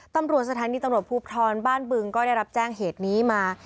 ตำรวจสถานีตำรวจภูทรบ้านบึงก็ได้รับแจ้งเหตุนี้มา